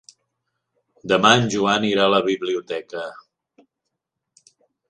Demà en Joan irà a la biblioteca.